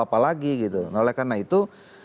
apa lagi gitu oleh karena itu